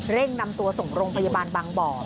เร่งนำตัวส่งลงพยาบาลบางบ่อ